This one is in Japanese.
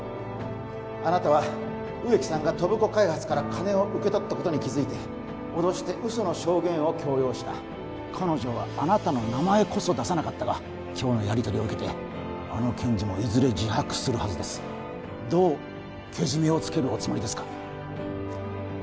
あなたは植木さんが戸部子開発から金を受け取ったことに気づいて脅して嘘の証言を強要した彼女はあなたの名前こそ出さなかったが今日のやりとりを受けてあの検事もいずれ自白するはずですどうけじめをつけるおつもりですか？